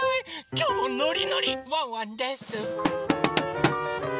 きょうもノリノリワンワンです！